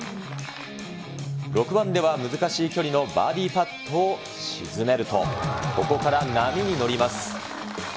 ６番では難しい距離のバーディーパットを沈めると、ここから波に乗ります。